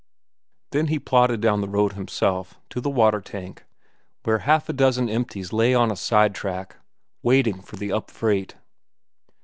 Then he plodded down the road himself, to the water tank, where half a dozen empties lay on a side track waiting for the up freight.